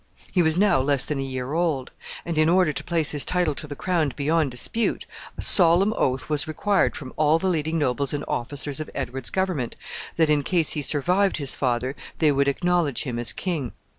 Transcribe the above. He was now less than a year old, and, in order to place his title to the crown beyond dispute, a solemn oath was required from all the leading nobles and officers of Edward's government, that in case he survived his father they would acknowledge him as king.